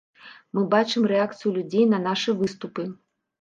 Мы бачым рэакцыю людзей на нашы выступы.